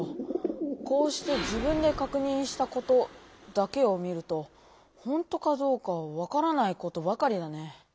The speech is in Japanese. こうして自分で確認したことだけを見るとほんとかどうかは分からないことばかりだね。